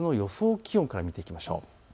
気温から見ていきましょう。